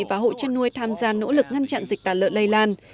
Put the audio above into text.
và hội chân nuôi tham gia nỗ lực ngăn chặn dịch tả lợn lây lan